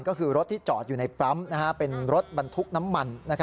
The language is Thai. ก็คือรถที่จอดอยู่ในปั๊มเป็นรถบรรทุกน้ำมัน